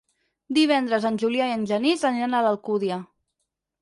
Divendres en Julià i en Genís aniran a l'Alcúdia.